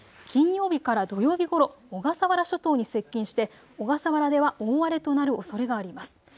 金曜日から土曜日ごろ小笠原諸島に接近して小笠原では大荒れとなるおそれがあります。